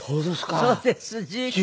そうですか。